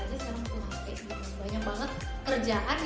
pake handphone banyak banget kerjaan